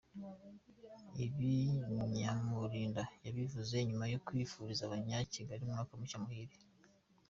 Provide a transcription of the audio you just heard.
Ibi Nyamulinda yabivuze nyuma yo kwifuriza Abanyakigali umwaka mushya muhire.